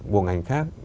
bộ ngành khác